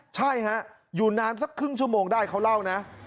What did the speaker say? ใช่ฮะอยู่นานสักครึ่งชั่วโมงได้เขาเล่านะ